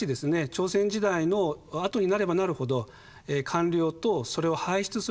朝鮮時代のあとになればなるほど官僚とそれを輩出する社会階層